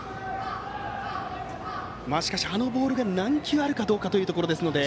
しかし、あのボールが何球あるかというところです。